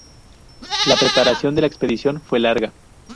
La preparación de la expedición fue larga.